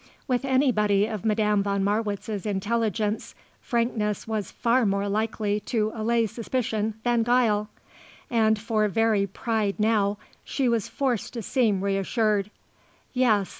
With anybody of Madame von Marwitz's intelligence, frankness was far more likely to allay suspicion than guile. And for very pride now she was forced to seem reassured. "Yes.